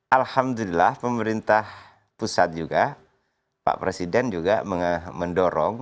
alhamdulillah pemerintah pusat juga pak presiden juga mendorong